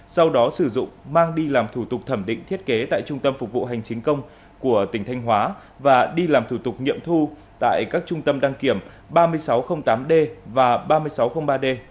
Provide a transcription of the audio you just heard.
sau đó sử dụng mang đi làm thủ tục thẩm định thiết kế tại trung tâm phục vụ hành chính công của tỉnh thanh hóa và đi làm thủ tục nghiệm thu tại các trung tâm đăng kiểm ba nghìn sáu trăm linh tám d và ba nghìn sáu trăm linh ba d